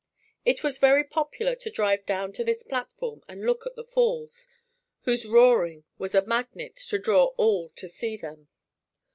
It was very popular to drive down on this platform and look at the falls, whose roaring was a magnet to draw all to see them.